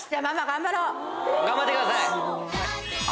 頑張ってください！